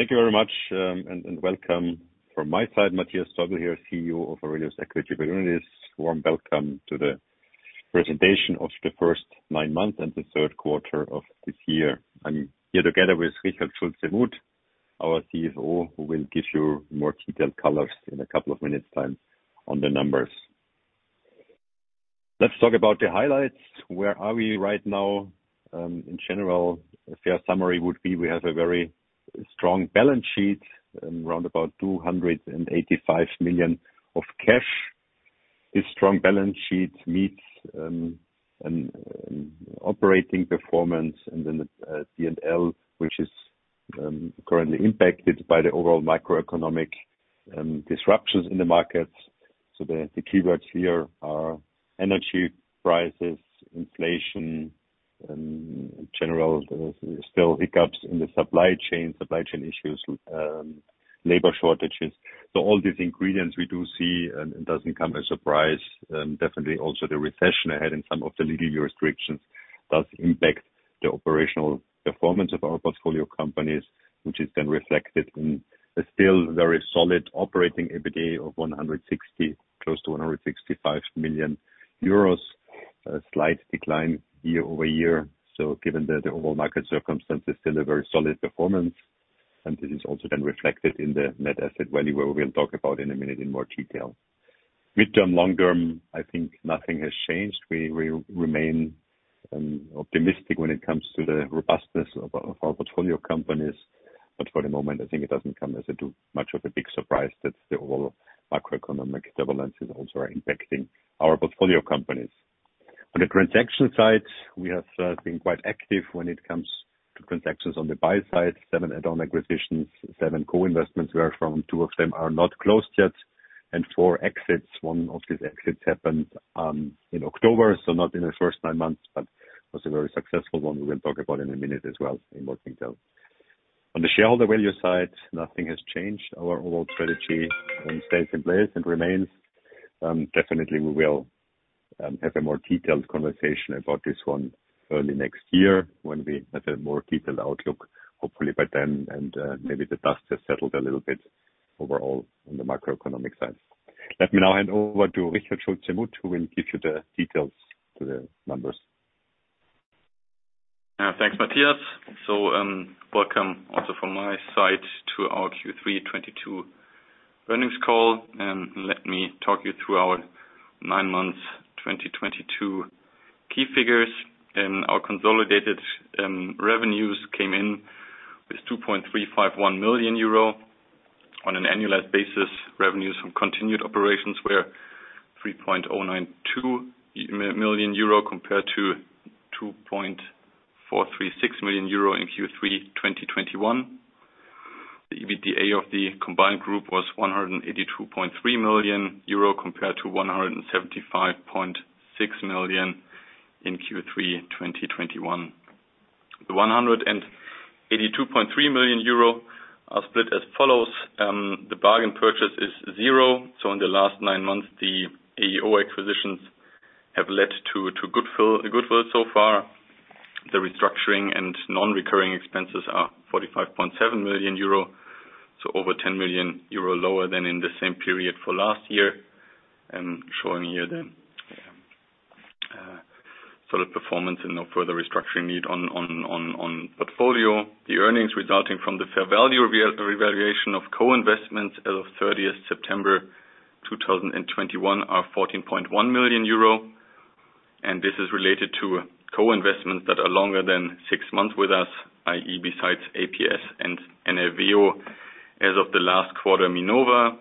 Thank you very much, and welcome from my side, Matthias Täubl here, CEO of AURELIUS Equity Opportunities. Warm welcome to the presentation of the first nine months and the Q3 of this year. I'm here together with Richard Schulze-Muth, our CFO, who will give you more detailed figures in a couple of minutes time on the numbers. Let's talk about the highlights. Where are we right now? In general, a fair summary would be we have a very strong balance sheet and around 285 million of cash. This strong balance sheet meets operating performance and then the P&L, which is currently impacted by the overall macroeconomic disruptions in the markets. The keywords here are energy prices, inflation, general still hiccups in the supply chain, supply chain issues, labor shortages. All these ingredients we do see and it doesn't come as a surprise, definitely also the recession ahead in some of the legal restrictions does impact the operational performance of our portfolio companies, which is then reflected in a still very solid operating EBITDA of 160 million, close to 165 million euros. A slight decline year-over-year. Given the overall market circumstances, still a very solid performance. This is also then reflected in the net asset value, where we'll talk about in a minute in more detail. Mid term, long term, I think nothing has changed. We remain optimistic when it comes to the robustness of our, of our portfolio companies. For the moment, I think it doesn't come as too much of a big surprise that the overall macroeconomic developments is also impacting our portfolio companies. On the transaction side, we have been quite active when it comes to transactions on the buy side, seven add-on acquisitions, seven co-investments, where from two of them are not closed yet, and four exits. One of these exits happened in October, so not in the first nine months, but it was a very successful one we will talk about in a minute as well in more detail. On the shareholder value side, nothing has changed. Our overall strategy stays in place and remains. Definitely we will have a more detailed conversation about this one early next year when we have a more detailed outlook, hopefully by then and maybe the dust has settled a little bit overall on the macroeconomic side. Let me now hand over to Richard Schulze-Muth, who will give you the details to the numbers. Thanks, Matthias. Welcome also from my side to our Q3 2022 Earnings Call, and let me talk you through our nine months 2022 key figures. Our consolidated revenues came in with 2.351 million euro. On an annualized basis, revenues from continued operations were 3.092 million euro compared to EUR 2.436 million in Q3 2021. The EBITDA of the combined group was 182.3 million euro compared to 175.6 million in Q3 2021. The 182.3 million euro are split as follows. The bargain purchase is zero, so in the last nine months, the AEO acquisitions have led to goodwill so far. The restructuring and non-recurring expenses are 45.7 million euro, so over 10 million euro lower than in the same period for last year, showing here sort of performance and no further restructuring need on portfolio. The earnings resulting from the fair value revaluation of co-investments as of thirtieth September 2021 are 14.1 million euro, and this is related to co-investments that are longer than six months with us, i.e. besides APS and Nveo, as of the last quarter, Minova.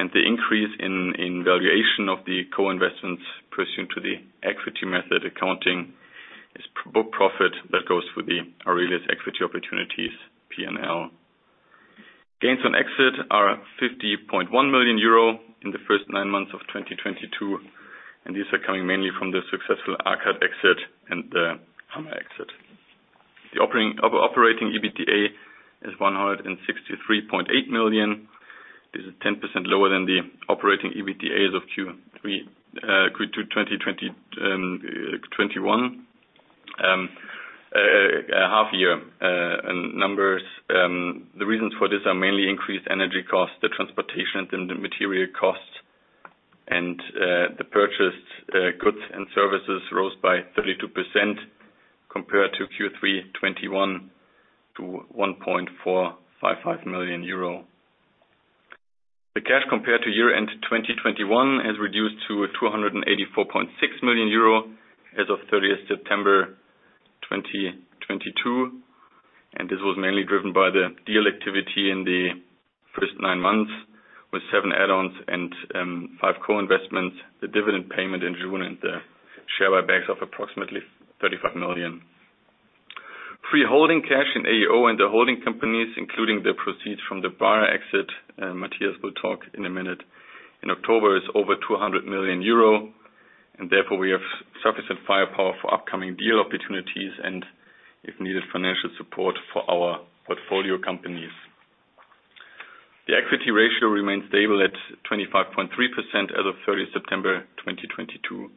The increase in valuation of the co-investments pursuant to the equity method accounting is pro-rata book profit that goes for the AURELIUS Equity Opportunities P&L. Gains on exit are 50.1 million euro in the first nine months of 2022, and these are coming mainly from the successful AKAD exit and the Hammerl exit. The operating EBITDA is 163.8 million. This is 10% lower than the operating EBITDA as of Q2 2021 half year numbers. The reasons for this are mainly increased energy costs, the transportation, and the material costs. The purchased goods and services rose by 32% compared to Q3 2021 to 1.455 million euro. The cash compared to year-end 2021 has reduced to 284.6 million euro as of thirtieth September 2022, and this was mainly driven by the deal activity in the first nine months with seven add-ons and five co-investments, the dividend payment in June, and the share buybacks of approximately 35 million. Free holding cash in AEO and the holding companies, including the proceeds from the Briar exit, and Matthias will talk in a minute, in October, is over 200 million euro. Therefore, we have sufficient firepower for upcoming deal opportunities and if needed, financial support for our portfolio companies. The equity ratio remains stable at 25.3% as of 30th September 2022.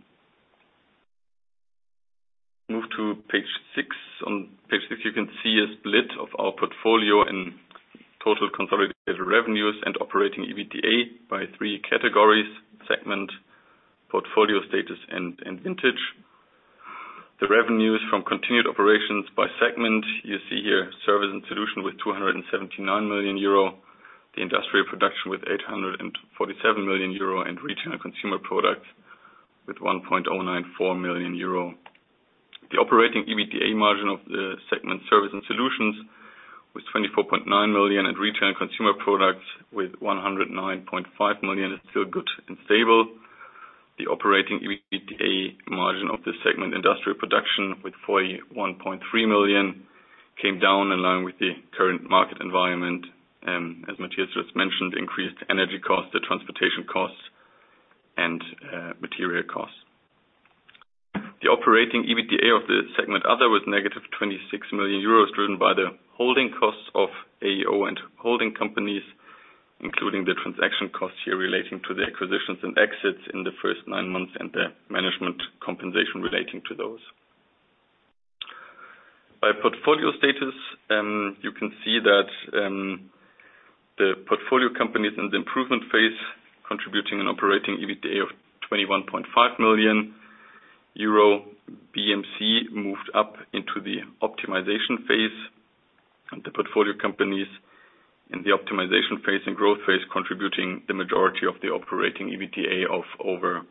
Move to page six. On page six, you can see a split of our portfolio in total consolidated revenues and operating EBITDA by three categories: segment, portfolio status, and vintage. The revenues from continued operations by segment, you see here service and solution with 279 million euro, the industrial production with 847 million euro, and retail and consumer product with 1,094 million euro. The operating EBITDA margin of the segment service and solutions was 24.9 million, and retail and consumer products with 109.5 million is still good and stable. The operating EBITDA margin of the segment industrial production with 41.3 million came down in line with the current market environment, as Matthias just mentioned, increased energy costs, the transportation costs and material costs. The operating EBITDA of the segment other was -26 million euros, driven by the holding costs of AEO and holding companies, including the transaction costs here relating to the acquisitions and exits in the first nine months and the management compensation relating to those. By portfolio status, you can see that the portfolio companies in the improvement phase contributing an operating EBITDA of 21.5 million euro. BMC moved up into the optimization phase, and the portfolio companies in the optimization phase and growth phase contributing the majority of the operating EBITDA of over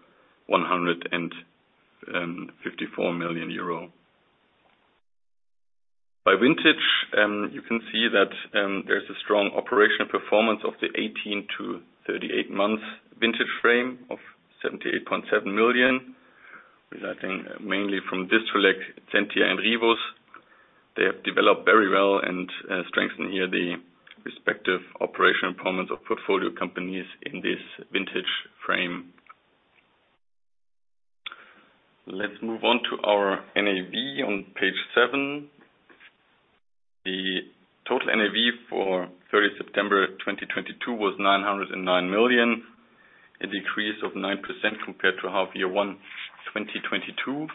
154 million euro. By vintage, you can see that there's a strong operational performance of the 18-38 months vintage frame of 78.7 million, resulting mainly from Distrelec, Zentia and Rivus. They have developed very well and strengthen here the respective operational performance of portfolio companies in this vintage frame. Let's move on to our NAV on page seven. The total NAV for 30th September 2022 was 909 million, a decrease of 9% compared to half year 1 2022.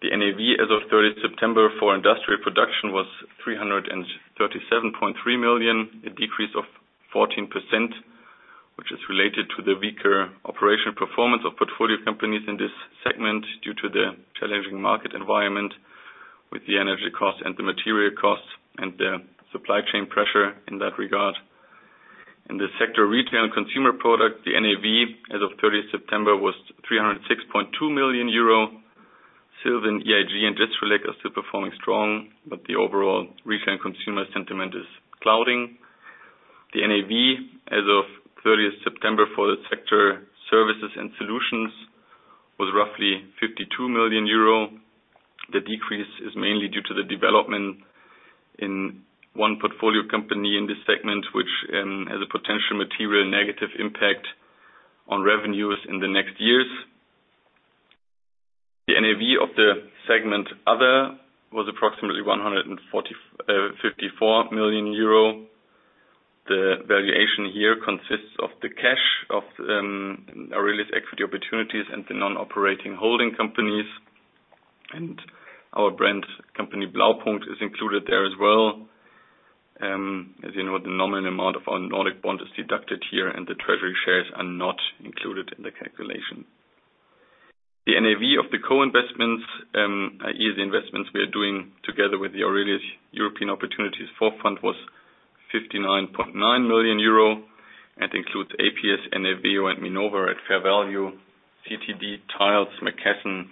The NAV as of 30th September for industrial production was 337.3 million, a decrease of 14%, which is related to the weaker operational performance of portfolio companies in this segment due to the challenging market environment with the energy costs and the material costs and the supply chain pressure in that regard. In the sector retail and consumer product, the NAV as of 30th September was 306.2 million euro. Silvan, EIG and Distrelec are still performing strong, but the overall retail and consumer sentiment is clouding. The NAV as of 30th September for the sector services and solutions was roughly 52 million euro. The decrease is mainly due to the development in one portfolio company in this segment, which has a potential material negative impact on revenues in the next years. The NAV of the other segment was approximately 154 million euro. The valuation here consists of the cash of AURELIUS Equity Opportunities and the non-operating holding companies. Our brand company, Blaupunkt, is included there as well. As you know, the nominal amount of our Nordic bond is deducted here, and the treasury shares are not included in the calculation. The NAV of the co-investments, these investments we are doing together with the AURELIUS European Opportunities IV fund was 59.9 million euro. That includes APS, Nveo and Minova at fair value, CTD Tiles, McKesson,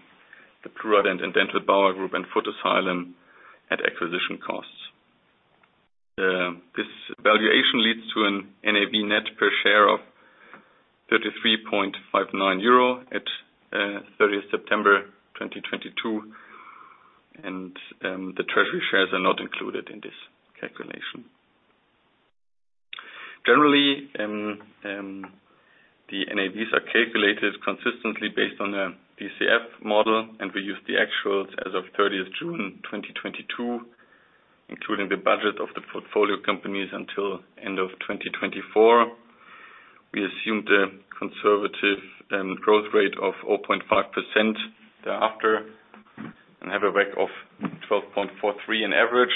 the Pluradent and Dental Bauer Group, and Footasylum at acquisition costs. This valuation leads to an NAV net per share of 33.59 euro at 30th September 2022, and the treasury shares are not included in this calculation. Generally, the NAVs are calculated consistently based on a DCF model, and we use the actuals as of 30th June 2022, including the budget of the portfolio companies until end of 2024. We assume the conservative growth rate of 0.5% thereafter and have a WACC of 12.43 in average.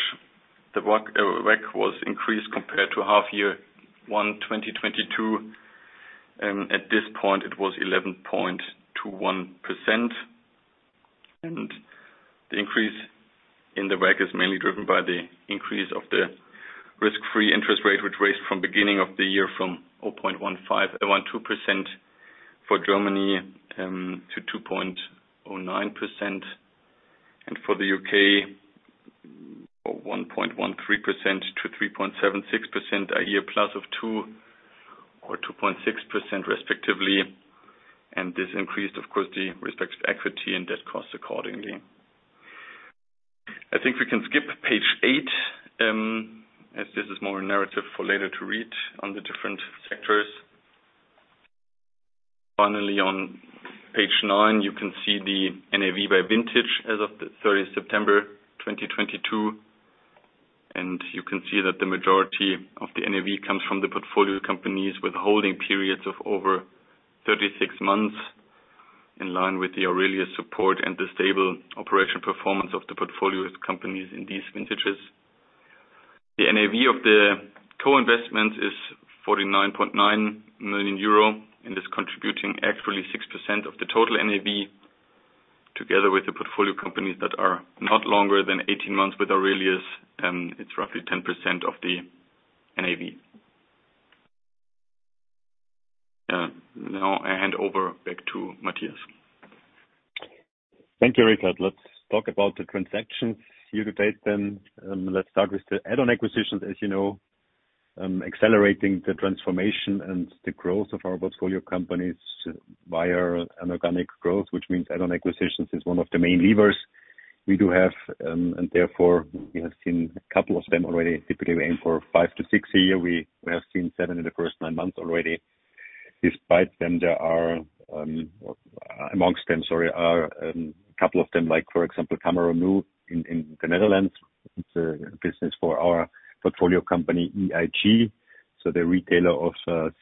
The WACC was increased compared to half year one, 2022. At this point it was 11.21%. The increase in the WACC is mainly driven by the increase of the risk-free interest rate, which raised from beginning of the year from 1.2% for Germany to 2.09%, and for the U.K., 1.13% to 3.76%, an increase of 2% or 2.6% respectively. This increased, of course, the cost of equity and debt costs accordingly. I think we can skip page eight, as this is more a narrative for later to read on the different sectors. Finally, on page nine, you can see the NAV by vintage as of the 30th September 2022. You can see that the majority of the NAV comes from the portfolio companies with holding periods of over 36 months, in line with the AURELIUS support and the stable operational performance of the portfolio companies in these vintages. The NAV of the co-investments is 49.9 million euro and is contributing actually 6% of the total NAV together with the portfolio companies that are not longer than 18 months with AURELIUS, and it's roughly 10% of the NAV. Now I hand over back to Matthias. Thank you, Richard. Let's talk about the transactions year-to-date then. Let's start with the add-on acquisitions. As you know, accelerating the transformation and the growth of our portfolio companies via an organic growth, which means add-on acquisitions, is one of the main levers we do have. Therefore, we have seen a couple of them already, typically aim for five to six a year. We have seen seven in the first nine months already. Despite them, there are among them a couple of them, like for example, CameraNU in the Netherlands. It's a business for our portfolio company, EIG. So the retailer of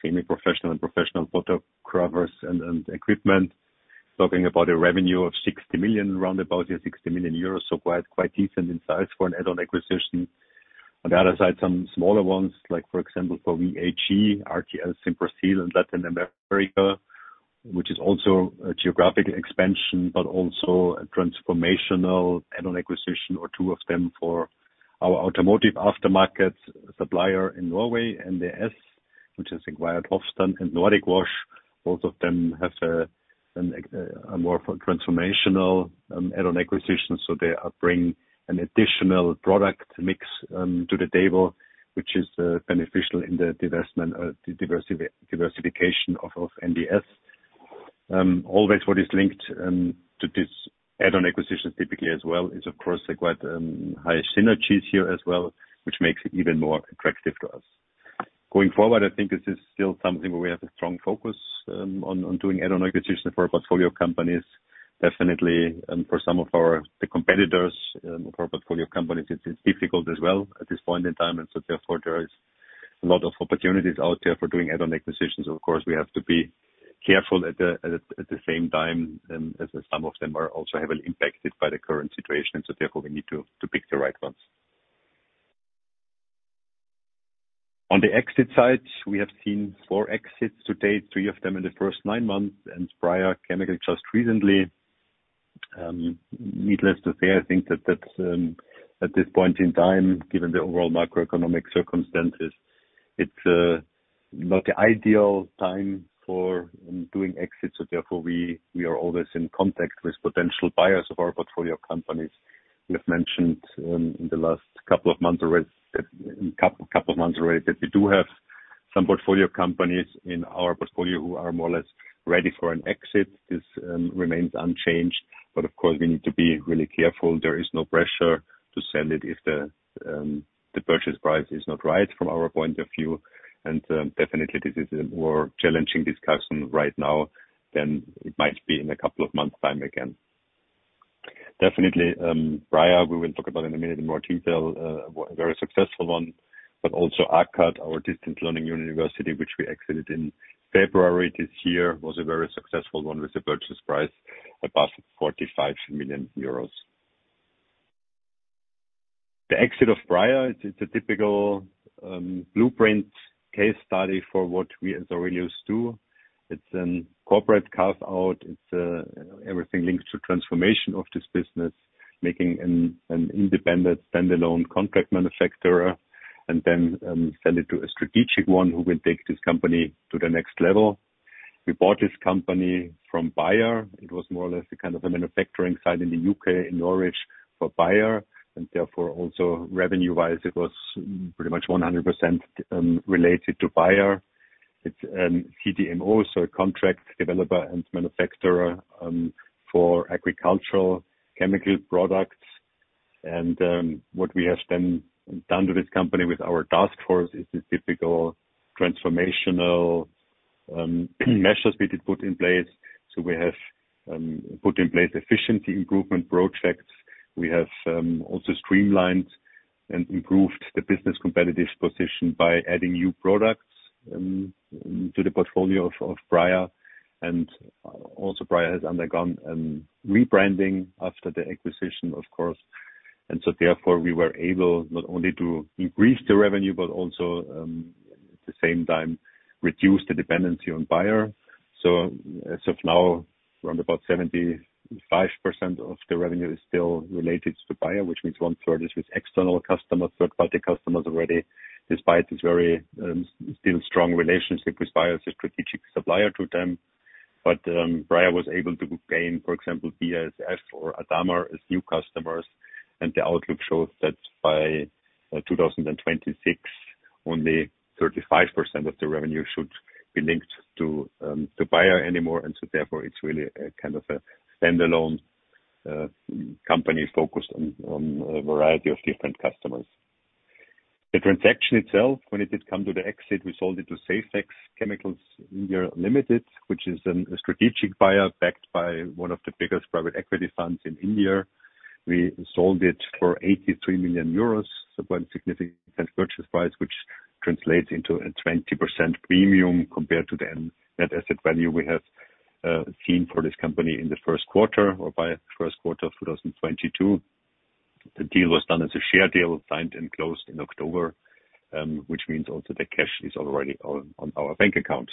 semi-professional and professional photographers and equipment. Talking about a revenue of 60 million, around 60 million euros, so quite decent in size for an add-on acquisition. On the other side, some smaller ones, like for example, for VHE, RTL Simprosil in Latin America, which is also a geographic expansion, but also a transformational add-on acquisition or two of them for our automotive aftermarket supplier in Norway, NDS, which has acquired Hovdan and Nordic Wash. Both of them have a more transformational add-on acquisition, so they are bring an additional product mix to the table, which is beneficial in the diversification of NDS. Always what is linked to this add-on acquisitions typically as well is of course, quite high synergies here as well, which makes it even more attractive to us. Going forward, I think this is still something where we have a strong focus on doing add-on acquisition for our portfolio companies, definitely. For some of our competitors, for our portfolio companies, it's difficult as well at this point in time. Therefore, there is a lot of opportunities out there for doing add-on acquisitions. Of course, we have to be careful at the same time as some of them are also heavily impacted by the current situation. We need to pick the right ones. On the exit side, we have seen four exits to date, three of them in the first nine months, and Briar Chemicals just recently. Needless to say, I think that's at this point in time, given the overall macroeconomic circumstances, it's not the ideal time for doing exits. We are always in contact with potential buyers of our portfolio companies. We have mentioned in the last couple of months already that we do have some portfolio companies in our portfolio who are more or less ready for an exit. This remains unchanged, but of course we need to be really careful. There is no pressure to sell it if the purchase price is not right from our point of view. Definitely this is a more challenging discussion right now than it might be in a couple of months' time again. Definitely, Briar, we will talk about in a minute in more detail, a very successful one, but also AKAD, our distance learning university, which we exited in February this year, was a very successful one with a purchase price above 45 million euros. The exit of Briar, it's a typical blueprint case study for what we as Aurelius do. It's a corporate carve-out. It's everything linked to transformation of this business, making an independent standalone contract manufacturer and then sell it to a strategic one who will take this company to the next level. We bought this company from Bayer. It was more or less a kind of a manufacturing site in the U.K. and Norwich for Bayer, and therefore also revenue-wise, it was pretty much 100% related to Bayer. It's CDMO, so a contract developer and manufacturer for agricultural chemical products. What we have then done to this company with our task force is the typical transformational measures we did put in place. We have put in place efficiency improvement projects. We have also streamlined and improved the business competitive position by adding new products to the portfolio of Briar. Also Briar has undergone rebranding after the acquisition, of course. Therefore, we were able not only to increase the revenue, but also at the same time, reduce the dependency on Bayer. As of now, around about 75% of the revenue is still related to Bayer, which means one-third is with external customers, third-party customers already, despite this very still strong relationship with Bayer as a strategic supplier to them. Briar was able to gain, for example, BASF or ADAMA as new customers. The outlook shows that by 2026, only 35% of the revenue should be linked to Bayer anymore. It's really a kind of a standalone company focused on a variety of different customers. The transaction itself, when it did come to the exit, we sold it to Safex Chemicals India Limited, which is a strategic buyer backed by one of the biggest private equity funds in India. We sold it for 83 million euros, quite a significant purchase price, which translates into a 20% premium compared to the net asset value we have seen for this company in the Q1 of 2022. The deal was done as a share deal, signed and closed in October, which means the cash is already on our bank account.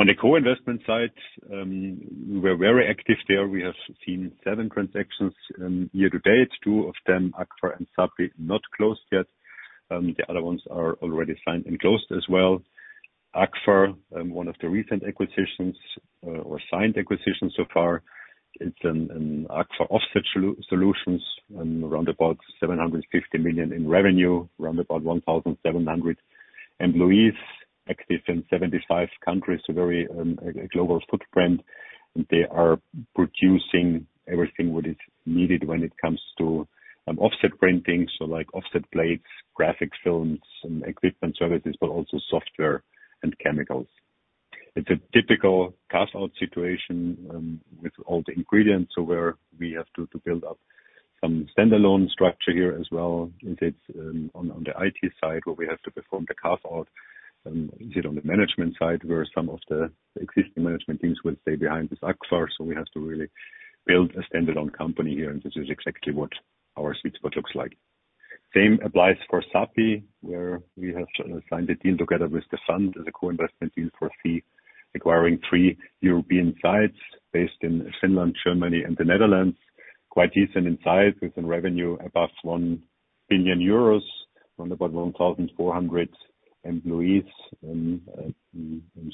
On the co-investment side, we're very active there. We have seen seven transactions year-to-date. Two of them, Axvar and Sappi, not closed yet. The other ones are already signed and closed as well. Agfa Offset Solutions, one of the recent acquisitions, or signed acquisitions so far. It's Agfa Offset Solutions and around about 750 million in revenue, around about 1,700 employees, active in 75 countries, so very a global footprint. They are producing everything what is needed when it comes to offset printing, so like offset plates, graphic films and equipment services, but also software and chemicals. It's a typical carve-out situation with all the ingredients. Where we have to build up some standalone structure here as well. It's on the IT side, where we have to perform the carve-out, as well on the management side, where some of the existing management teams will stay behind with Agfa Offset Solutions. We have to really build a standalone company here, and this is exactly what our sweet spot looks like. Same applies for Sappi, where we have signed a deal together with the fund as a co-investment deal for free, acquiring three European sites based in Finland, Germany, and the Netherlands. Quite decent in size, with a revenue above 1 billion euros, around about 1,400 employees,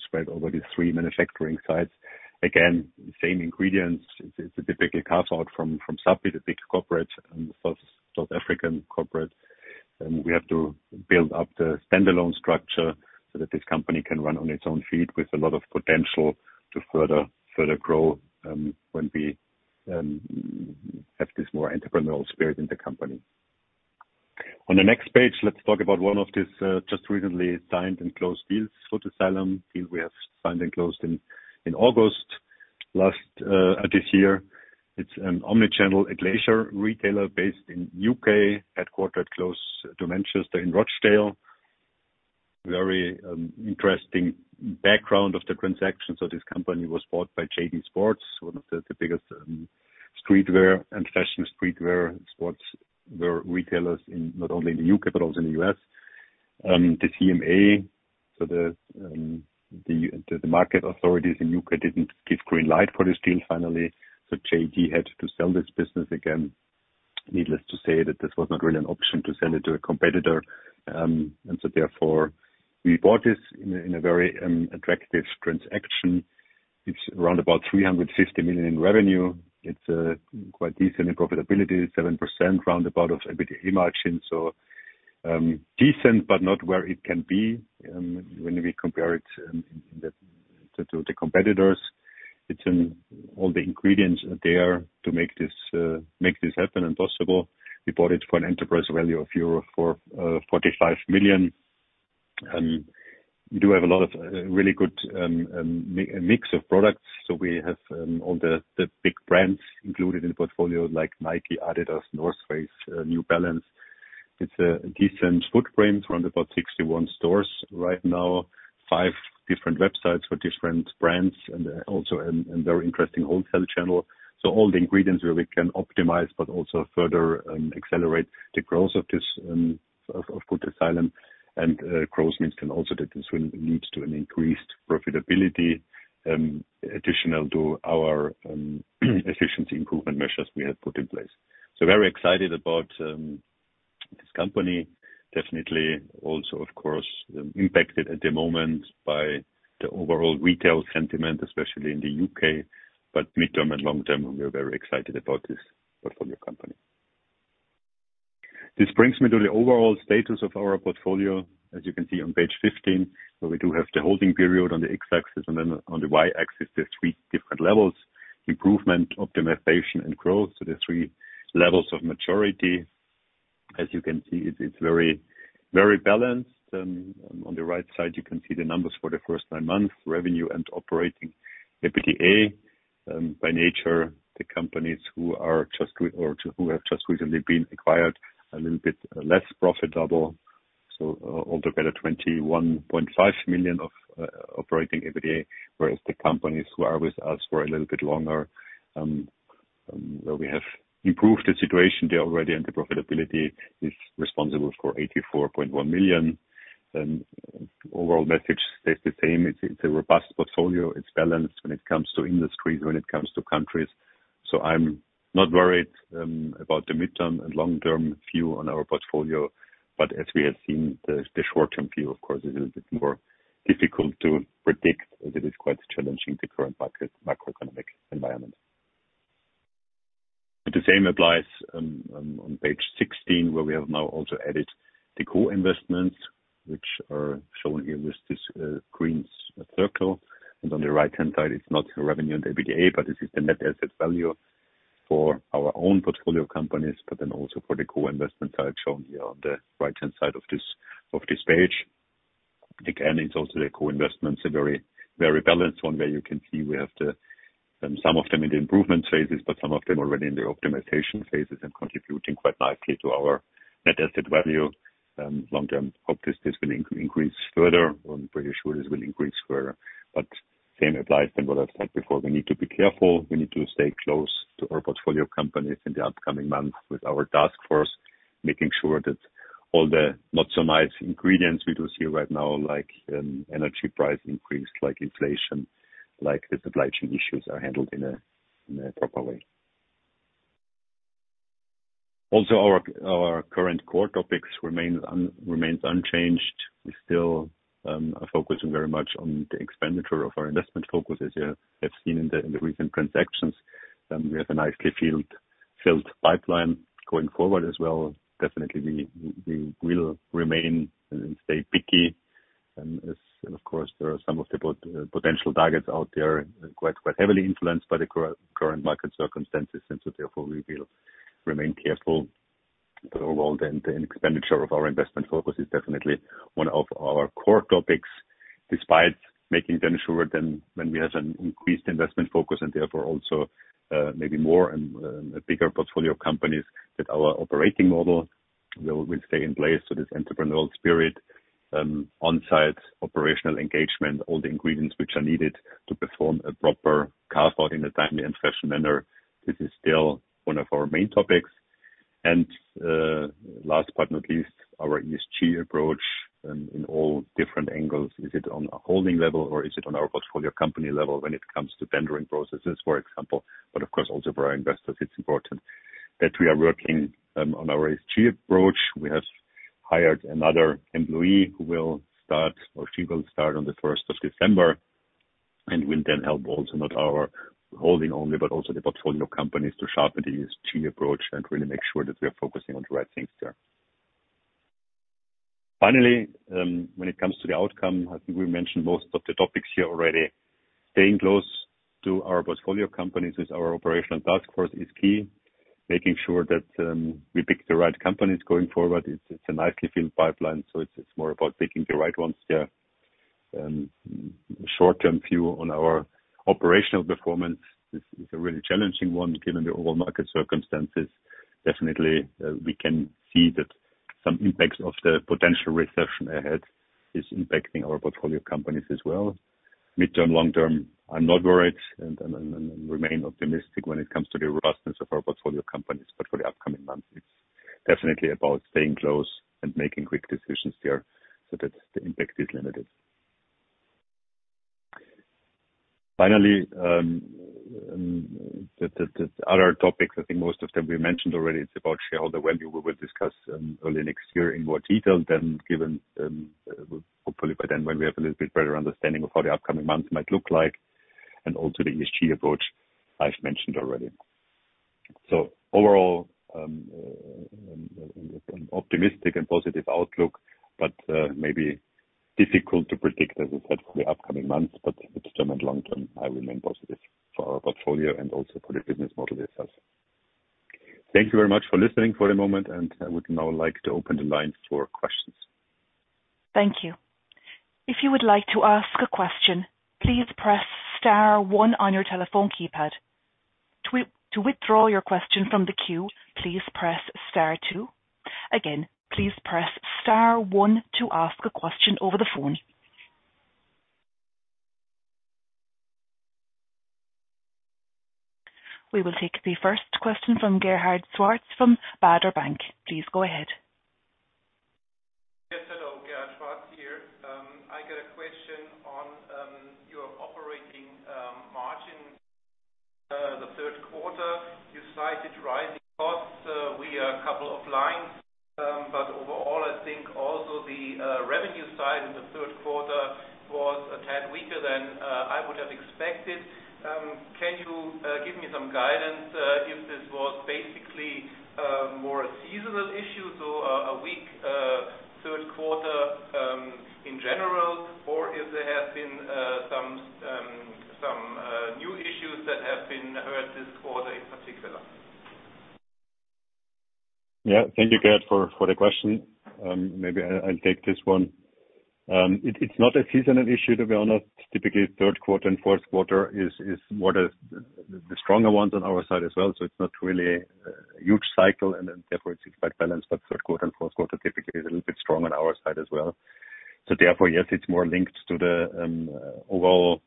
spread over these three manufacturing sites. Again, same ingredients. It's a typical carve-out from Sappi, the big corporate, South African corporate. We have to build up the standalone structure so that this company can run on its own feet with a lot of potential to further grow when we have this more entrepreneurial spirit in the company. On the next page, let's talk about one of these just recently signed and closed deals, Footasylum deal we have signed and closed in August this year. It's an omni-channel athleisure retailer based in U.K., headquartered close to Manchester in Rochdale. Very interesting background of the transaction. This company was bought by JD Sports, one of the biggest streetwear and fashion streetwear sports retailers in not only the U.K., but also in the U.S. The CMA, the market authorities in U.K. didn't give green light for this deal finally, so JD had to sell this business again. Needless to say that this was not really an option to sell it to a competitor, and therefore we bought this in a very attractive transaction. It's around about 350 million in revenue. It's quite decent in profitability, around about 7% EBITDA margin. Decent, but not where it can be when we compare it to the competitors. It's in all the ingredients there to make this happen and possible. We bought it for an enterprise value of 45 million euro. We do have a lot of really good mix of products. We have all the big brands included in the portfolio, like Nike, Adidas, The North Face, New Balance. It's a decent footprint, around about 61 stores right now, five different websites for different brands and also a very interesting wholesale channel. All the ingredients with which we can optimize but also further accelerate the growth of this Footasylum. This means that this will also lead to an increased profitability additional to our efficiency improvement measures we have put in place. Very excited about this company. Definitely also, of course, impacted at the moment by the overall retail sentiment, especially in the U.K., but mid-term and long-term, we're very excited about this portfolio company. This brings me to the overall status of our portfolio. As you can see on page 15, where we do have the holding period on the x-axis and then on the y-axis, the three different levels, improvement, optimization, and growth. The three levels of maturity. As you can see, it's very balanced. On the right side, you can see the numbers for the first nine months, revenue and operating EBITDA. By nature, the companies who have just recently been acquired, a little bit less profitable. Overall, 21.5 million of operating EBITDA, whereas the companies who are with us for a little bit longer, well, we have improved the situation. They're already into profitability, is responsible for 84.1 million. Overall message stays the same. It's a robust portfolio. It's balanced when it comes to industries, when it comes to countries. I'm not worried about the midterm and long-term view on our portfolio. As we have seen, the short-term view, of course, is a little bit more difficult to predict as it is quite challenging, the current market macroeconomic environment. The same applies on page 16, where we have now also added the co-investments. Which are shown here with this green circle, and on the right-hand side, it's not the revenue and the EBITDA, but this is the net asset value for our own portfolio companies, but then also for the co-investment side shown here on the right-hand side of this page. Again, it's also the co-investments, a very, very balanced one where you can see we have some of them in the improvement phases, but some of them already in the optimization phases and contributing quite nicely to our net asset value. Long-term, I hope this will increase further. I'm pretty sure this will increase further. Same applies than what I said before. We need to be careful. We need to stay close to our portfolio companies in the upcoming months with our task force, making sure that all the not so nice ingredients we do see right now, like, energy price increase, like inflation, like the supply chain issues, are handled in a proper way. Also, our current core topics remain unchanged. We still are focusing very much on the expansion of our investment focuses. Yeah, have seen in the recent transactions, we have a nicely filled pipeline going forward as well. Definitely we will remain and stay picky, as of course, there are some of the potential targets out there, quite heavily influenced by the current market circumstances, and so therefore we will remain careful. Overall, the expenditure of our investment focus is definitely one of our core topics, despite making damn sure then when we have an increased investment focus and therefore also, maybe more and, a bigger portfolio of companies that our operating model will stay in place. This entrepreneurial spirit, on-site operational engagement, all the ingredients which are needed to perform a proper carve-out in a timely and fresh manner. This is still one of our main topics. Last but not least, our ESG approach in all different angles. Is it on a holding level, or is it on our portfolio company level when it comes to tendering processes, for example, but of course also for our investors, it's important that we are working on our ESG approach. We have hired another employee who will start on the 1st December and will then help not only our holding, but also the portfolio companies to sharpen the ESG approach and really make sure that we are focusing on the right things there. Finally, when it comes to the outcome, I think we mentioned most of the topics here already. Staying close to our portfolio companies with our operational task force is key. Making sure that we pick the right companies going forward. It's a nicely filled pipeline, so it's more about picking the right ones here. Short-term view on our operational performance is a really challenging one given the overall market circumstances. Definitely, we can see that some impacts of the potential recession ahead is impacting our portfolio companies as well. Mid-term, long-term, I'm not worried and remain optimistic when it comes to the robustness of our portfolio companies, but for the upcoming months, it's definitely about staying close and making quick decisions here so that the impact is limited. Finally, the other topics, I think most of them we mentioned already, it's about shareholder value. We will discuss early next year in more detail then, given hopefully by then when we have a little bit better understanding of how the upcoming months might look like, and also the ESG approach I've mentioned already. Overall, optimistic and positive outlook, but maybe difficult to predict, as I said, for the upcoming months, but mid-term and long-term, I remain positive for our portfolio and also for the business model itself. Thank you very much for listening for a moment, and I would now like to open the lines for questions. Thank you. If you would like to ask a question, please press star one on your telephone keypad. To withdraw your question from the queue, please press star two. Again, please press star one to ask a question over the phone. We will take the first question from Gerhard Schwarz from Baader Bank. Please go ahead. Yes, hello. Gerhard Schwarz here. I got a question on your operating margin. The Q3, you cited rising costs via a couple of lines, but overall I think also the revenue side in the Q3 was a tad weaker than I would have expected. Can you give me some guidance if this was basically more a seasonal issue, so a weak Q3 in general, or if there have been some new issues that have hurt this quarter in particular? Yeah. Thank you, Gerhard, for the question. Maybe I'll take this one. It's not a seasonal issue, to be honest. Typically, Q3 and Q4 is what is the stronger ones on our side as well, so it's not really a huge cycle and then therefore it's quite balanced. Q3 and Q4 typically is a little bit strong on our side as well. Therefore, yes, it's more linked to the overall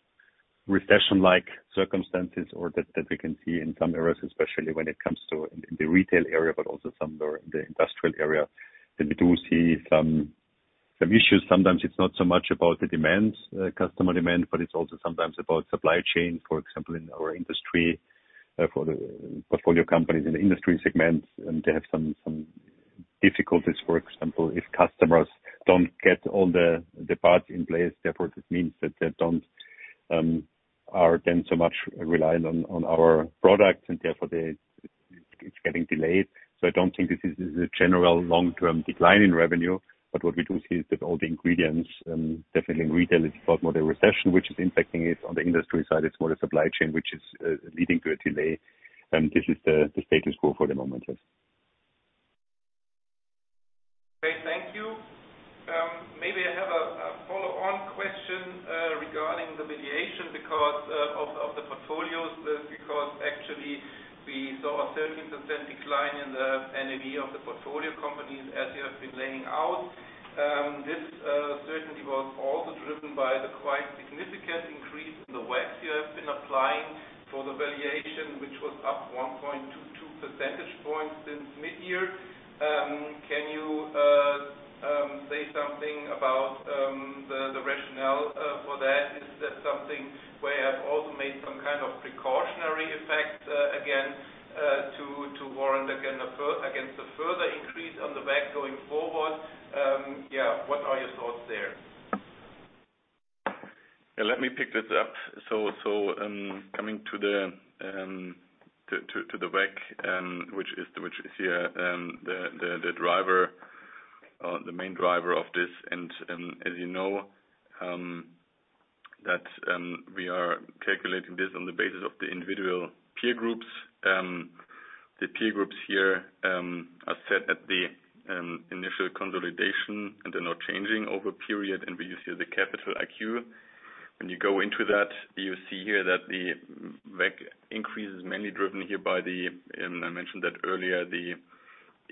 recession-like circumstances or that we can see in some areas, especially when it comes to in the retail area, but also some the industrial area, that we do see some issues. Sometimes it's not so much about the demand, customer demand, but it's also sometimes about supply chain, for example, in our industry, for the portfolio companies in the industry segments, and they have some difficulties. For example, if customers don't get all the parts in place, therefore it means that they are then so much reliant on our products and therefore they. It's getting delayed. I don't think this is a general long-term decline in revenue. What we do see is that all the ingredients, definitely in retail, it's more about the recession, which is impacting it. On the industry side, it's more the supply chain, which is leading to a delay, and this is the status quo for the moment. Yes. Okay, thank you. Maybe I have a follow-on question regarding the valuation because of the portfolios because actually we saw a 13% decline in the NAV of the portfolio companies as you have been laying out. This certainly was also driven by the quite significant increase in the WACC you have been applying for the valuation, which was up 1.22 percentage points since midyear. Can you say something about the rationale for that? Is that something where you have also made some kind of precautionary effect again to warrant against a further increase on the WACC going forward? Yeah. What are your thoughts there? Yeah, let me pick this up. Coming to the WACC, which is here, the main driver of this. As you know, we are calculating this on the basis of the individual peer groups. The peer groups here are set at the initial consolidation, and they're not changing over a period. We use here the Capital IQ. When you go into that, you see here that the WACC increase is mainly driven here by the, I mentioned that earlier, the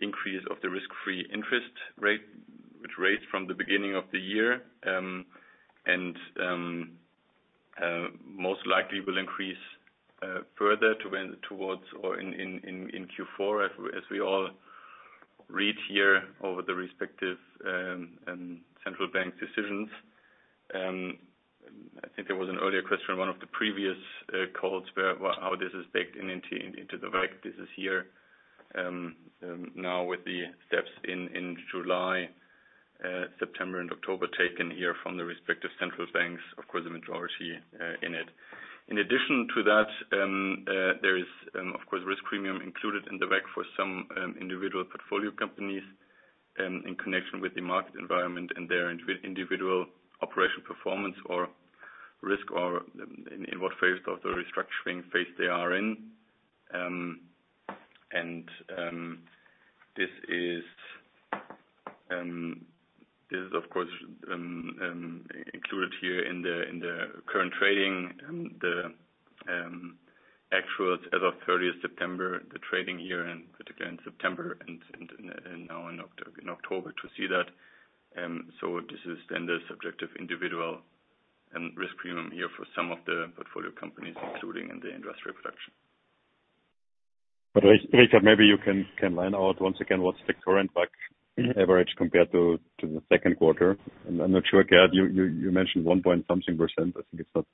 increase of the risk-free interest rate, which rose from the beginning of the year. Most likely will increase further towards or in Q4 as we all read here over the respective central bank decisions. I think there was an earlier question in one of the previous calls where how this is baked into the WACC. This is here now with the steps in July, September and October taken here from the respective central banks. Of course, the majority in it. In addition to that, there is of course risk premium included in the WACC for some individual portfolio companies in connection with the market environment and their individual operation performance or risk or in what phase of the restructuring phase they are in. This is of course included here in the current trading and the actuals as of 30th September, the trading year, and particularly in September and now in October to see that. This is then the subjective individual and risk premium here for some of the portfolio companies included in the industry production. Richard, maybe you can line out once again what's the current WACC average compared to the Q2. I'm not sure, Gerd, you mentioned one point something%. I think it's not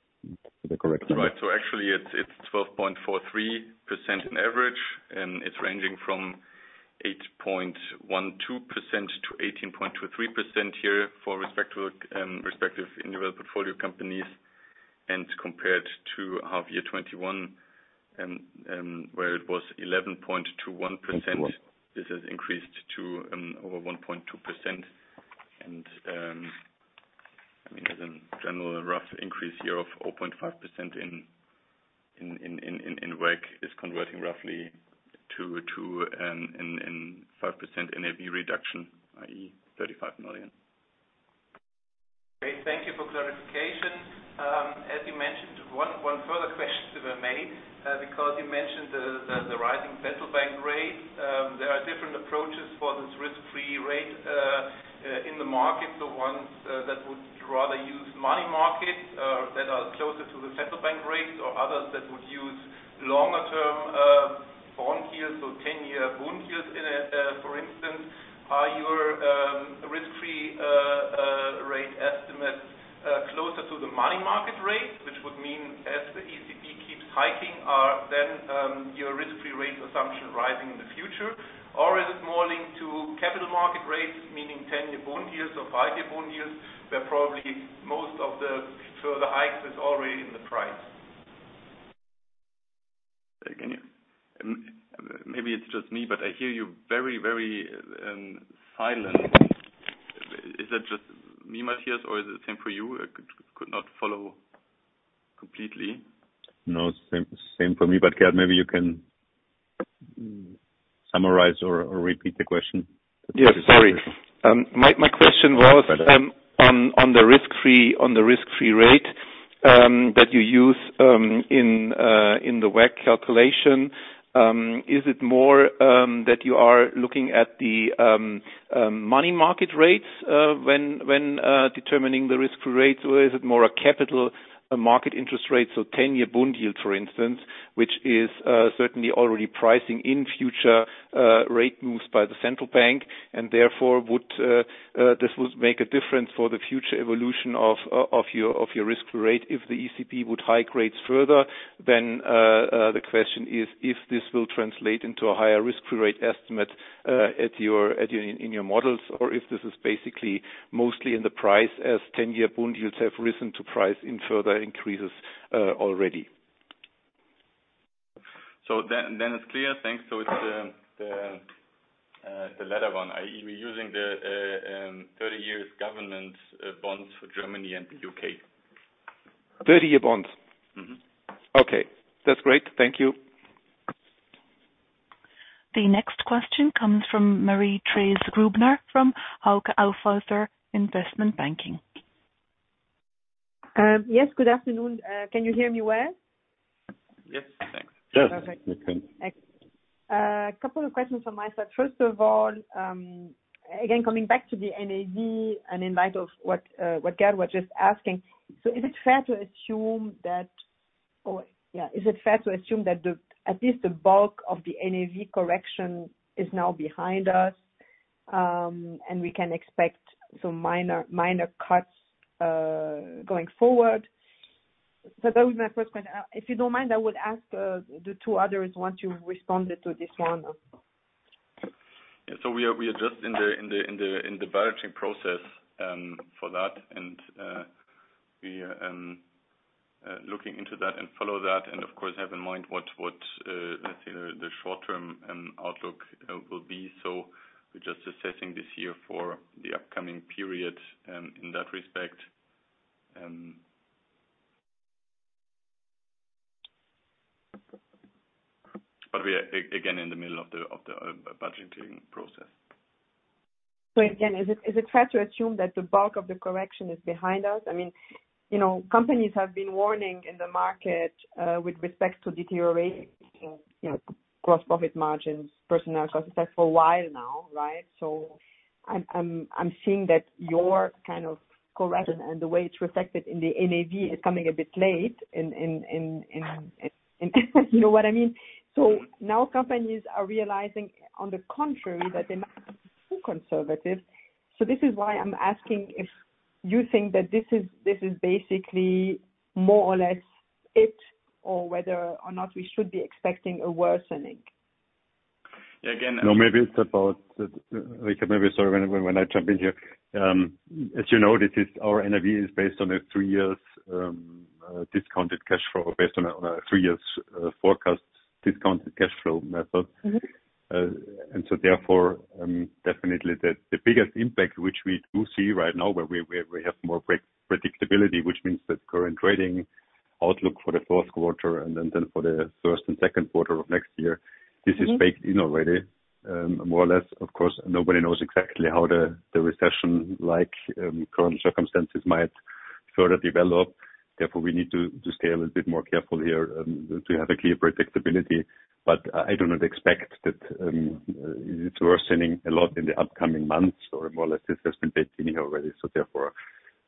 the correct number. Right. Actually it's 12.43% on average, and it's ranging from 8.12% to 18.23% here with respect to respective individual portfolio companies. Compared to half year 2021, where it was 11.21%. 0.21. This has increased to over 1.2%. I mean, as a general rough increase here of 0.5% in WACC is converting roughly to a 5% NAV reduction, i.e., 35 million. Great. Thank you for clarification. As you mentioned, one further question that I made, because you mentioned the rising central bank rate. There are different approaches for this risk-free rate in the market. The ones that would rather use money markets that are closer to the central bank rates or others that would use longer-term bond yields or ten-year bond yields in it, for instance. Are your risk-free rate estimates closer to the money market rate, which would mean as the ECB keeps hiking, are then your risk-free rate assumption rising in the future? Or is it more linked to capital market rates, meaning ten-year bond yields or five-year bond yields, where probably most of the further hikes is already in the price? Say again. Maybe it's just me, but I hear you very silent. Is that just me, Matthias, or is it the same for you? I could not follow completely. No, same for me. Gerd, maybe you can summarize or repeat the question. Yeah. Sorry. My question was on the risk-free rate that you use in the WACC calculation. Is it more that you are looking at the money market rates when determining the risk-free rates, or is it more a capital market interest rate, so 10-year bond yield, for instance, which is certainly already pricing in future rate moves by the central bank, and therefore this would make a difference for the future evolution of your risk-free rate if the ECB would hike rates further? The question is if this will translate into a higher risk-free rate estimate, in your models, or if this is basically mostly in the price as 10-year bond yields have risen to price in further increases, already. It's clear. Thanks. It's the latter one, i.e., we're using the 30-year government bonds for Germany and the U.K. 30-year bonds. Mm-hmm. Okay. That's great. Thank you. The next question comes from Marie-Thérèse Grübner from Hauck Aufhäuser Investment Banking. Yes, good afternoon. Can you hear me well? Yes. Thanks. Yes. Perfect. Couple of questions on my side. First of all, again, coming back to the NAV and in light of what Gerhard was just asking. Is it fair to assume that at least the bulk of the NAV correction is now behind us, and we can expect some minor cuts going forward? That was my first point. If you don't mind, I would ask the two others once you've responded to this one. Yeah. We are just in the budgeting process for that. We are looking into that and follow that and of course have in mind what let's say the short-term outlook will be. We're just assessing this year for the upcoming period in that respect. We are again in the middle of the budgeting process. Again, is it fair to assume that the bulk of the correction is behind us? I mean, you know, companies have been warning in the market with respect to deteriorating, you know, gross profit margins, personnel costs for a while now, right? I'm seeing that your kind of correction and the way it's reflected in the NAV is coming a bit late in, you know what I mean? Now companies are realizing on the contrary that they're not too conservative. This is why I'm asking if you think that this is basically more or less it or whether or not we should be expecting a worsening. Yeah. We can maybe start. When I jump in here. As you know, our NAV is based on a three-year forecast discounted cash flow method. Mm-hmm. Therefore, definitely the biggest impact which we do see right now, where we have more predictability, which means that current trading outlook for the Q4 and then for the Q1 and Q2 of next year. Mm-hmm. This is baked in already, more or less. Of course, nobody knows exactly how the recession like current circumstances might further develop, therefore we need to scale a bit more careful here, to have a clear predictability. But I do not expect that it's worsening a lot in the upcoming months or more or less this has been baked in already. Therefore,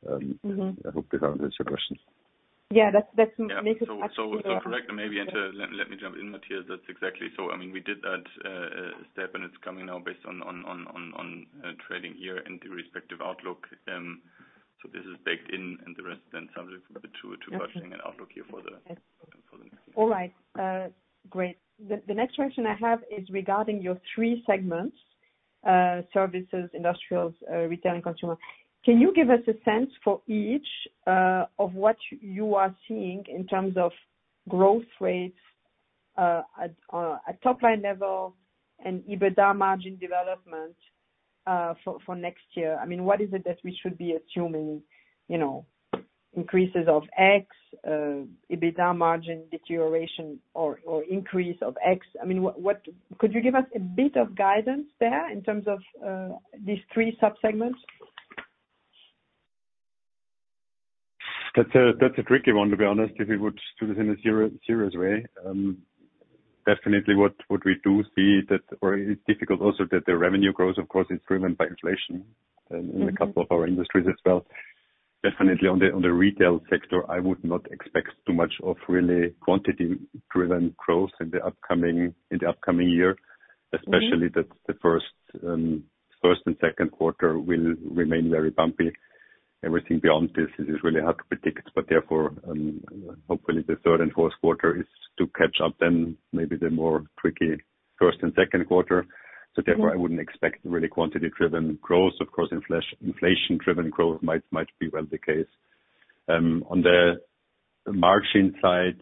Mm-hmm. I hope that answers your question. Yeah. That makes it actually. Yeah. Correct. Maybe let me jump in, Matthias. That's exactly. I mean, we did that step and it's coming now based on trading year and the respective outlook. This is baked in and the rest then subject to budgeting and outlook here for the next year. All right. Great. The next question I have is regarding your three segments, services, industrials, retail and consumer. Can you give us a sense for each of what you are seeing in terms of growth rates at top line level and EBITDA margin development for next year? I mean, what is it that we should be assuming, you know, increases of X, EBITDA margin deterioration or increase of X? I mean, what could you give us a bit of guidance there in terms of these three subsegments? That's a tricky one, to be honest, if we would do this in a non-serious way. Definitely what we do see that it is difficult also that the revenue growth of course is driven by inflation. Mm-hmm. In a couple of our industries as well. Definitely on the retail sector, I would not expect too much of really quantity driven growth in the upcoming year. Mm-hmm. Especially the first and Q2 will remain very bumpy. Everything beyond this is really hard to predict. Therefore, hopefully the third and Q4 is to catch up then maybe the more tricky first and Q2. Mm-hmm. Therefore, I wouldn't expect really quantity driven growth. Of course, inflation driven growth might be well the case. On the margin side,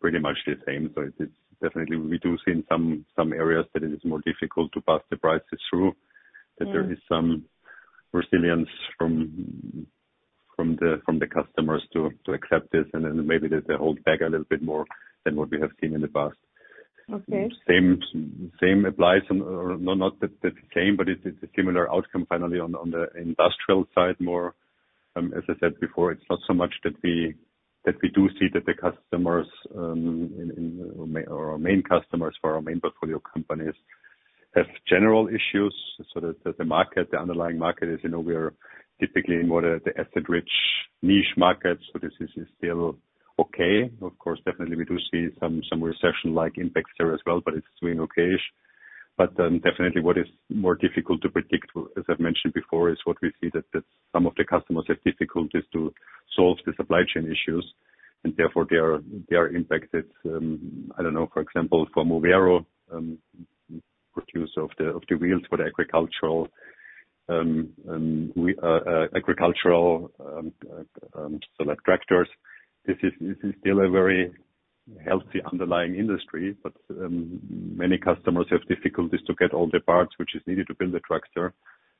pretty much the same. It is definitely we do see in some areas that it is more difficult to pass the prices through. Mm. That there is some resilience from the customers to accept this and then maybe they hold back a little bit more than what we have seen in the past. Okay. The same applies or no, not the same, but it's a similar outcome finally on the industrial side more, as I said before. It's not so much that we do see that the customers in our main customers for our main portfolio companies have general issues. The market, the underlying market is, you know, we are typically in the asset-rich niche markets. This is still okay. Of course, definitely we do see some recession-like impacts there as well, but it's doing okay-ish. Definitely what is more difficult to predict, as I've mentioned before, is what we see that some of the customers have difficulties to solve the supply chain issues and therefore they are impacted. I don't know, for example, for Moveero, producer of the wheels for the agricultural tractors. This is still a very healthy underlying industry, but many customers have difficulties to get all the parts which is needed to build the tractor,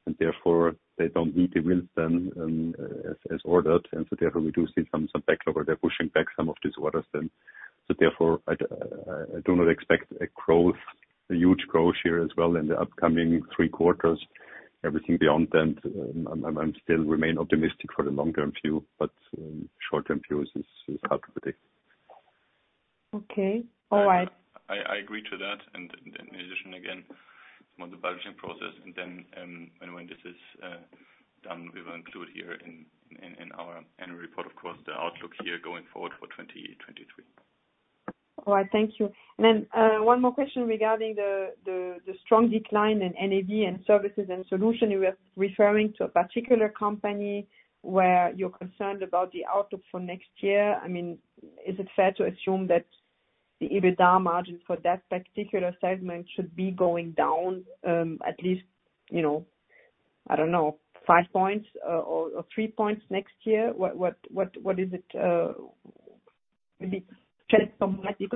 and therefore they don't need the wheels then as ordered. Therefore we do see some backlog where they're pushing back some of these orders then. Therefore I do not expect a growth, a huge growth here as well in the upcoming three quarters. Everything beyond then, I still remain optimistic for the longer view, but short term view is hard today. Okay. All right. I agree to that. In addition, again, it's more the budgeting process. Then, when this is done, we will include here in our annual report, of course, the outlook here going forward for 2023. All right. Thank you. Then one more question regarding the strong decline in NAV and services and solution. You were referring to a particular company where you're concerned about the outlook for next year. I mean, is it fair to assume that the EBITDA margin for that particular segment should be going down, at least, you know, I don't know, five points or three points next year? What is it, maybe can you shed some light. Yes.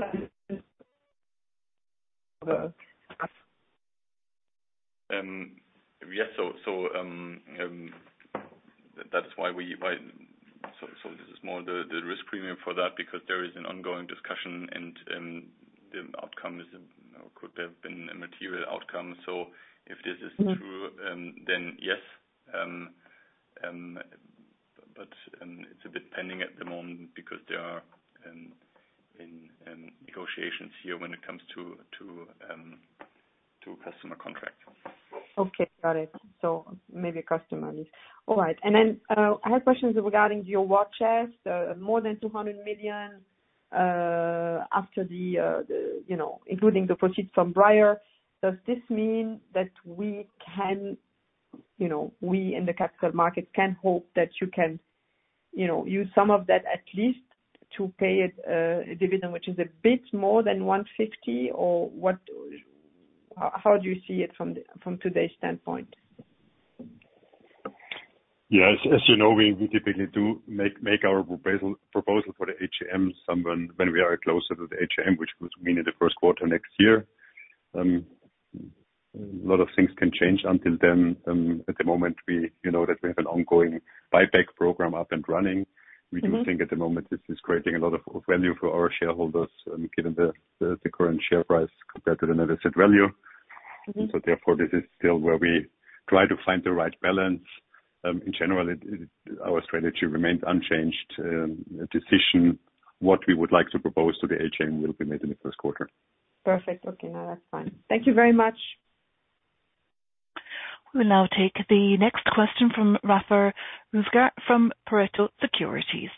This is more the risk premium for that because there is an ongoing discussion and the outcome, you know, could have been a material outcome. If this is true. Mm-hmm. Yes. It's a bit pending at the moment because there are negotiations here when it comes to customer contract. Okay. Got it. All right. I have questions regarding your war chest, more than 200 million, after the, you know, including the proceeds from Briar. Does this mean that we can, you know, we in the capital markets can hope that you can, you know, use some of that at least to pay a dividend which is a bit more than 150? Or what, how do you see it from today's standpoint? Yes. As you know, we typically do make our proposal for the AGM somewhere when we are closer to the AGM, which would mean in the Q1 next year. A lot of things can change until then. At the moment, we, you know that we have an ongoing buyback program up and running. Mm-hmm. We do think at the moment this is creating a lot of value for our shareholders, given the current share price compared to the net asset value. Mm-hmm. This is still where we try to find the right balance. In general it, our strategy remains unchanged. A decision what we would like to propose to the AGM will be made in the Q1. Perfect. Okay. No, that's fine. Thank you very much. We'll now take the next question from Rafael Gurska from Pareto Securities.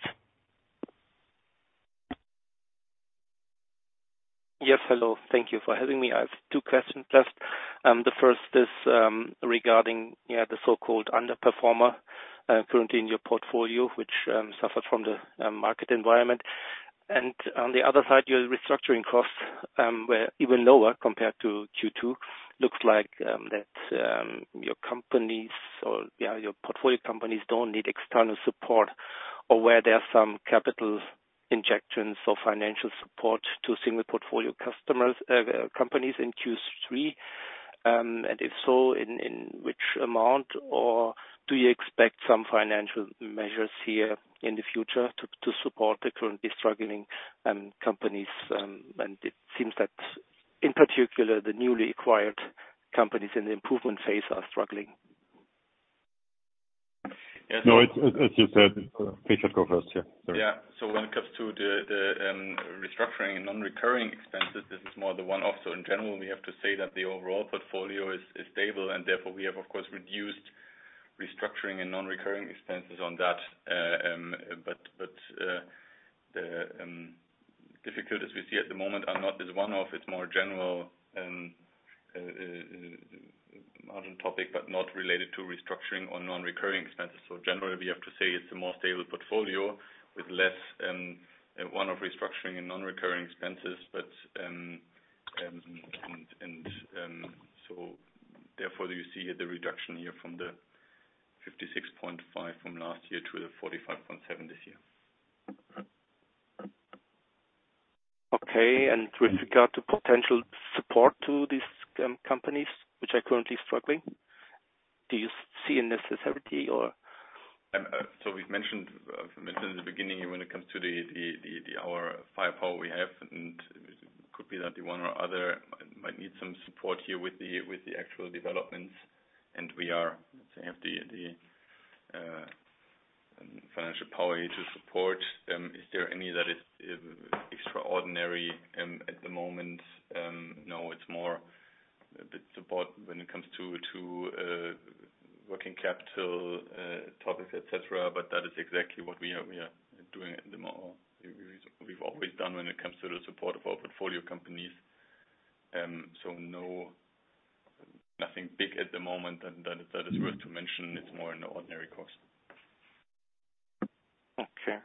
Yes. Hello. Thank you for having me. I have two questions just. The first is regarding the so-called underperformer currently in your portfolio, which suffers from the market environment. On the other side, your restructuring costs were even lower compared to Q2. Looks like that your companies or your portfolio companies don't need external support or were there some capital injections or financial support to single portfolio companies in Q3? And if so, in which amount, or do you expect some financial measures here in the future to support the currently struggling companies, and it seems that in particular the newly acquired companies in the improvement phase are struggling. Yeah. No, it's as you said. Peter go first. Yeah. Sorry. Yeah. When it comes to the restructuring and non-recurring expenses, this is more the one-off. In general, we have to say that the overall portfolio is stable and therefore we have of course reduced restructuring and non-recurring expenses on that. But the difficulties we see at the moment are not this one-off. It's more general margin topic, but not related to restructuring or non-recurring expenses. Generally, we have to say it's a more stable portfolio with less one-off restructuring and non-recurring expenses. Therefore you see the reduction here from 56.5 from last year to 45.7 this year. Okay. With regard to potential support to these companies which are currently struggling, do you see a necessity or? We've mentioned in the beginning when it comes to the firepower we have, and it could be that the one or other might need some support here with the actual developments, and we have the financial power here to support. Is there any that is extraordinary at the moment? No, it's more about support when it comes to working capital topics, et cetera, but that is exactly what we've always done when it comes to the support of our portfolio companies. No, nothing big at the moment and that is worth to mention. It's more an ordinary course. Okay.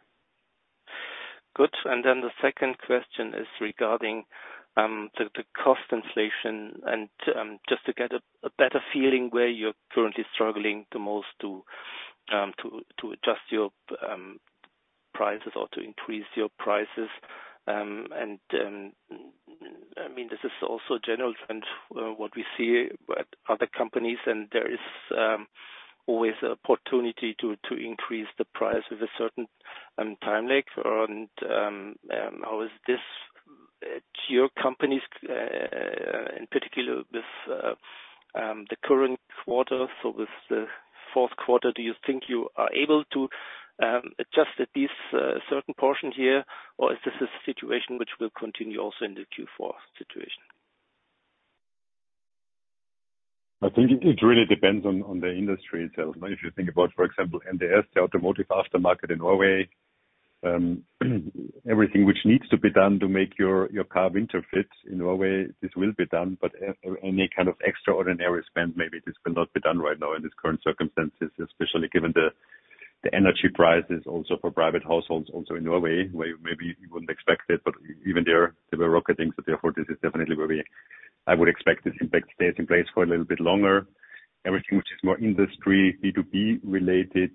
Good. Then the second question is regarding the cost inflation and just to get a better feeling where you're currently struggling the most to adjust your prices or to increase your prices. I mean, this is also general trend what we see at other companies, and there is always opportunity to increase the price with a certain time lag. How is this to your companies in particular with the current quarter, so with the Q4? Do you think you are able to adjust at least a certain portion here or is this a situation which will continue also in the Q4 situation? I think it really depends on the industry itself. Now, if you think about, for example, NDS, the automotive aftermarket in Norway, everything which needs to be done to make your car winter fit in Norway, this will be done. Any kind of extraordinary spend, maybe this will not be done right now in this current circumstances, especially given the energy prices also for private households also in Norway, where maybe you wouldn't expect it, but even there they were rocketing. Therefore, this is definitely where I would expect this impact stays in place for a little bit longer. Everything which is more industry B2B related,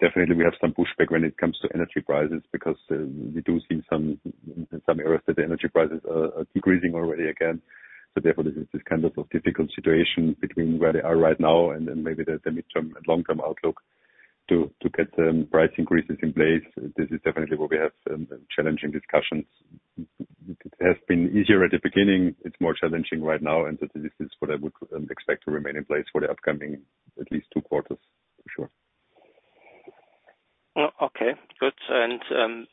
definitely we have some pushback when it comes to energy prices because, we do see some, in some areas that the energy prices are decreasing already again. This is a kind of difficult situation between where they are right now and then maybe the midterm and long-term outlook to get price increases in place. This is definitely where we have challenging discussions. It has been easier at the beginning. It's more challenging right now, and this is what I would expect to remain in place for the upcoming at least two quarters, for sure. Okay, good.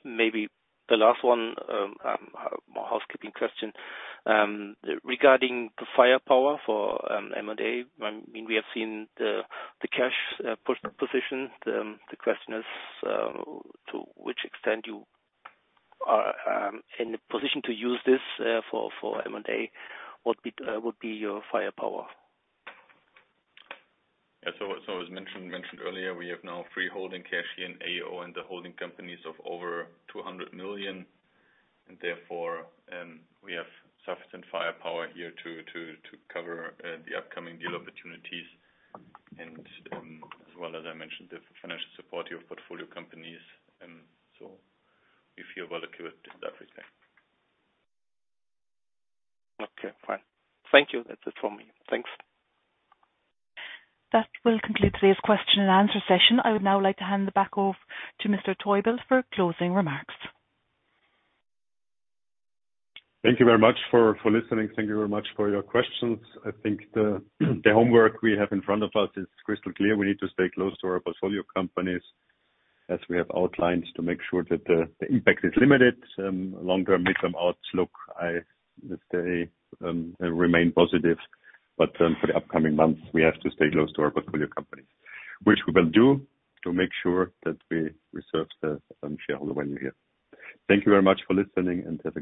Maybe the last one, housekeeping question regarding the firepower for M&A. I mean, we have seen the cash position. The question is, to which extent you are in a position to use this for M&A? What would be your firepower? As mentioned earlier, we have now free holding cash in AEO and the holding companies of over 200 million. Therefore, we have sufficient firepower here to cover the upcoming deal opportunities, as well as I mentioned, the financial support of portfolio companies, so we feel well equipped in that respect. Okay. Fine. Thank you. That's it from me. Thanks. That will conclude today's Q&A session. I would now like to hand it back off to Mr. Täubl for closing remarks. Thank you very much for listening. Thank you very much for your questions. I think the homework we have in front of us is crystal clear. We need to stay close to our portfolio companies as we have outlines to make sure that the impact is limited. Longer midterm outlook, I would say, remain positive, but for the upcoming months, we have to stay close to our portfolio companies, which we will do to make sure that we reserve the shareholder value here. Thank you very much for listening, and have a